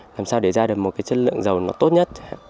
làm sao để ra được một cái chất lượng dầu nó tốt nhất